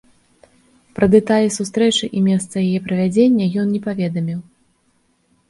Пра дэталі сустрэчы і месца яе правядзення ён не паведаміў.